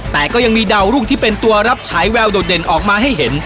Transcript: แต่ก็ยังมีดาวรุ่งที่เป็นตัวรับฉายแววโดดเด่นออกมาให้เห็น